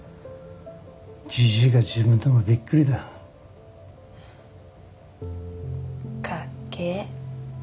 じじいが自分でもびっくりだかっけえ